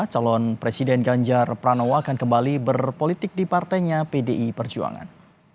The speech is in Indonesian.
calon presiden ganjar pranowo akan kembali berpolitik di partainya pdi perjuangan